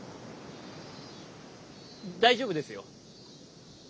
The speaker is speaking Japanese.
大丈夫ですよ。